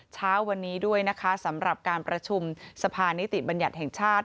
เช้าวันนี้ด้วยนะคะสำหรับการประชุมสภานิติบัญญัติแห่งชาติ